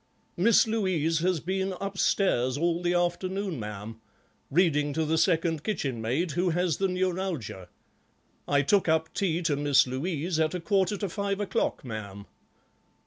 "Miss Louise has been upstairs all the afternoon, ma'am, reading to the second kitchenmaid, who has the neuralgia. I took up tea to Miss Louise at a quarter to five o'clock, ma'am."